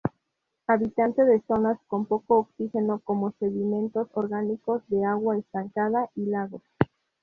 Habitante de zonas con poco oxígeno como sedimentos orgánicos de agua estancada y lagos.